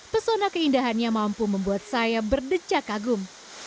pesona keindahannya mampu membuat saya berdecak kagum